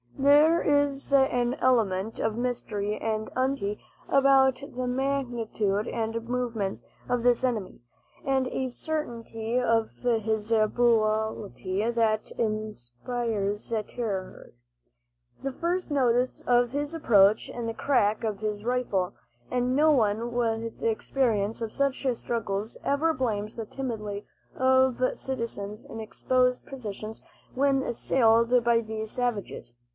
There is an element of mystery and uncertainty about the magnitude and movements of this enemy, and a certainty of his brutality, that inspires terror. The first notice of his approach is the crack of his rifle, and no one with experience of such struggles ever blames the timidity of citizens in exposed positions when assailed by these savages.